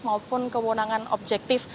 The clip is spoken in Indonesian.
maupun kewenangan objektif